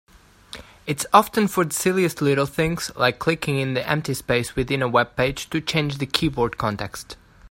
It's often for the silliest little things, like clicking in the empty space within a webpage to change the keyboard context.